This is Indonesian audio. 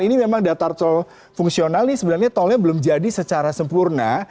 ini memang datar tol fungsional ini sebenarnya tolnya belum jadi secara sempurna